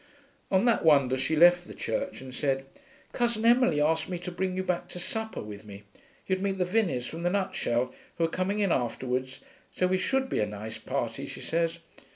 On that wonder she left the Church, and said, 'Cousin Emily asked me to bring you back to supper with me. You'd meet the Vinneys, from the Nutshell, who are coming in afterwards, so we should be a nice party, she says.